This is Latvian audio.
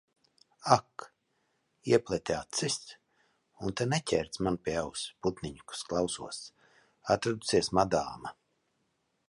Ak! Iepleti acis? Un te neķērc man pie auss, putniņus klausos. Atradusies madāma.